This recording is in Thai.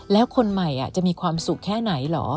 แล้วคนใหม่จะมีความสุขแค่ไหนเหรอ